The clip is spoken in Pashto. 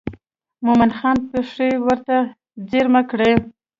مومن خان پښې ورته څرمه کړې.